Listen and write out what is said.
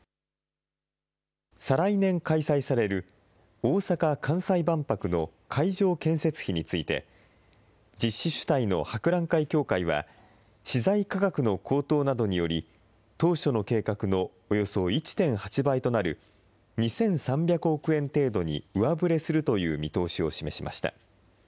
再来年開催される大阪・関西万博の会場建設費について、実施主体の博覧会協会は、資材価格の高騰などにより当初の計画のおよそ１．８倍となる、２３００億円程度に上振れするという見通しを示しました。